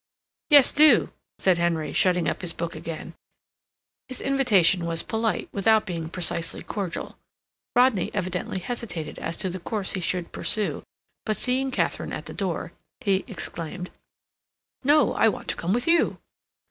"Yes, do," said Henry, shutting up his book again. His invitation was polite, without being precisely cordial. Rodney evidently hesitated as to the course he should pursue, but seeing Katharine at the door, he exclaimed: "No. I want to come with you."